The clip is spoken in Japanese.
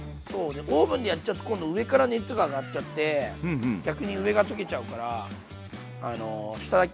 でオーブンでやっちゃうと今度上から熱が上がっちゃって逆に上が溶けちゃうから下だけ焼くのがいいと思う。